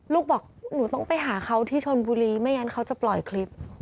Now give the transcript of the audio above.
ลูกบอกหนูต้องไปหาเขาที่ชนบุรีไม่งั้นเขาจะปล่อยคลิป